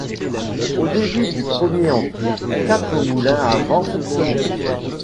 Au début du premier empire, quatre moulins à vent fonctionnaient.